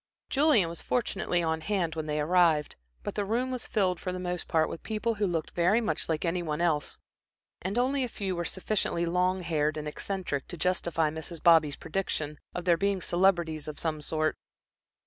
Julian was fortunately on hand when they arrived, but the room was filled for the most part with people who looked very much like any one else, and only a few were sufficiently long haired and eccentric to justify Mrs. Bobby's prediction of their being celebrities of some sort.